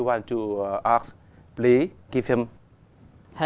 một trang trí giữa